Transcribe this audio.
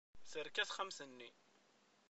Terka texxamt-nni.